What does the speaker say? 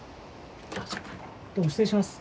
どうも失礼します。